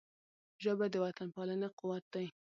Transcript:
ژبه د وطنپالنې قوت دی